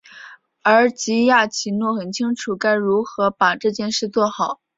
而吉亚奇诺很清楚该如何把这件事做好。